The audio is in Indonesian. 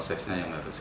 semua terus berproses